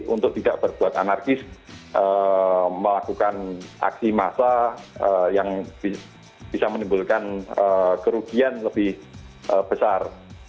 untuk tidak berbuat anarkis melakukan aksi massa yang bisa menimbulkan kerugian lebih besar